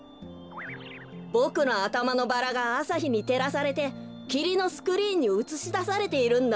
ボクのあたまのバラがあさひにてらされてきりのスクリーンにうつしだされているんだ。